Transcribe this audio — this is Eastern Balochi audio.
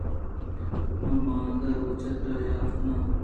من باندا روچ ءَ ترا ھال کن آں